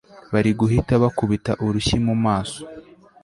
bari guhita bakubita urushyi mumaso